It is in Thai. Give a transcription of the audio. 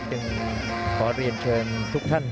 ขอเรียนเชิญทุกท่าน